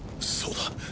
そうだ。